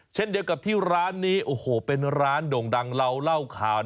เช่นเดียวกับที่ร้านนี้โอ้โหเป็นร้านโด่งดังเราเล่าข่าว